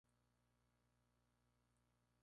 Es de distribución cosmopolita con numerosas especies.